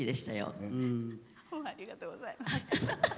ありがとうございます。